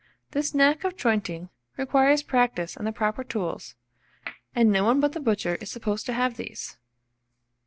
This knack of jointing requires practice and the proper tools; and no one but the butcher is supposed to have these.